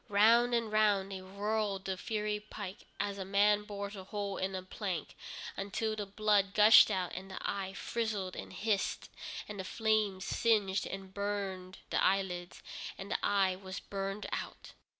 Round and round they whirled the fiery pike, as a man bores a hole in a plank, until the blood gushed out, and the eye frizzled and hissed, and the flames singed and burned the eyelids, and the eye was burned out.